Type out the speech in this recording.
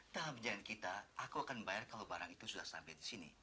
dalam perjalanan kita aku akan membayar kalau barang itu sudah sampai di sini